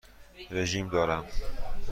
رژیم دارم.